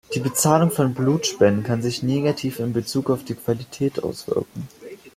Die Bezahlung von Blutspenden kann sich negativ in Bezug auf die Qualität auswirken.